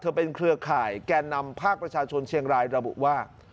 เป็นเครือข่ายแก่นำภาคประชาชนเชียงรายระบุว่า